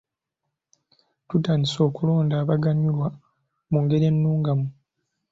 Tutandise okulonda abanaaganyulwa mu ngeri ennungamu.